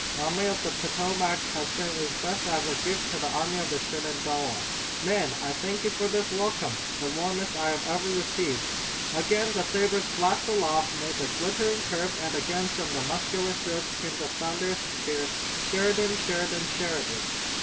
The Army of the Potomac has sent its best as a gift to the Army of the Shenandoah. Men, I thank you for this welcome, the warmest I have ever received!" Again the sabers flashed aloft, made their glittering curve, and again from muscular throats came the thunderous cheer: "Sheridan! Sheridan! Sheridan!"